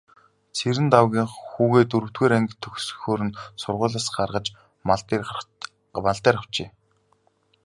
Цэрэндагвынх хүүгээ дөрөвдүгээр анги төгсөхөөр нь сургуулиас гаргаж мал дээр авчээ.